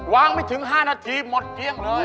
ไม่ถึง๕นาทีหมดเกลี้ยงเลย